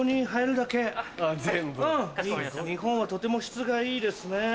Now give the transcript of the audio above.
日本はとても質がいいですね。